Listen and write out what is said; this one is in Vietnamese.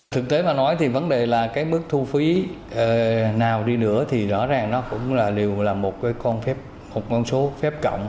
thực tế mà nói thì vấn đề là cái mức thu phí nào đi nữa thì rõ ràng nó cũng là liều là một con số phép cộng